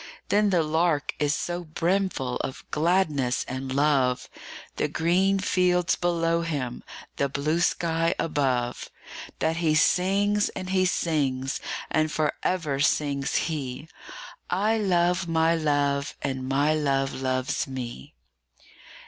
But the Lark is so brimful of gladness and love, The green fields below him, the blue sky above, That he sings, and he sings; and for ever sings he 'I love my Love, and my Love loves me!'